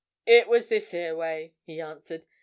"It was this here way," he answered.